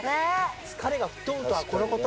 疲れが吹っ飛ぶとはこのこと。